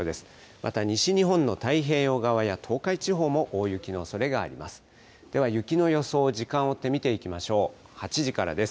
また西日本の太平洋側や東海地方も大雪のおそれがあります。